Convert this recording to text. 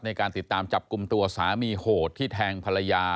ในการติดตามจับกลุ่มตัวสามีโหดที่แทงภรรยา